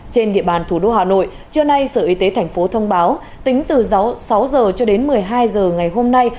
trên địa bàn thủ đô hà nội trưa nay sở y tế thành phố thông báo tính từ sáu h cho đến một mươi hai h ngày hôm nay